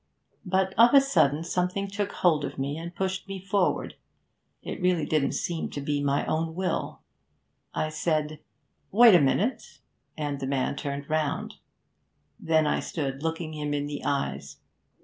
But of a sudden something took hold of me, and pushed me forward, it really didn't seem to be my own will. I said, "Wait a minute"; and the man turned round. Then I stood looking him in the eyes.